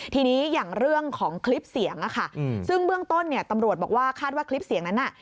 ทีนี้อย่างเรื่องของคลิปเสียงอะค่ะซึ่งเบื้องต้นเนี่ยตำรวจบอกว่าคาดว่าคลิปเสียงนั้นน่ะ